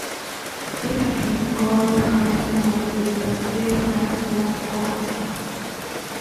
Waitaki Girls' High School is a state high school for girls.